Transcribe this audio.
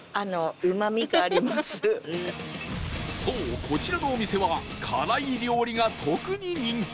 そうこちらのお店は辛い料理が特に人気